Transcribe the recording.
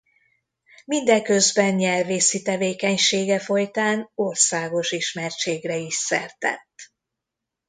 Mindeközben nyelvészi tevékenysége folytán országos ismertségre is szert tett.